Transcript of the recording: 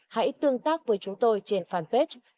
hãy tương tác với chúng tôi trên fanpage truyền hình công an nhân dân